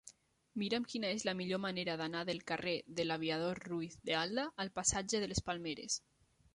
Mira'm quina és la millor manera d'anar del carrer de l'Aviador Ruiz de Alda al passatge de les Palmeres.